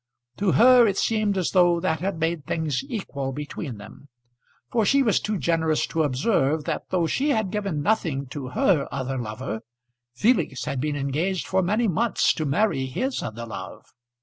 To her it seemed as though that had made things equal between them, for she was too generous to observe that though she had given nothing to her other lover, Felix had been engaged for many months to marry his other love.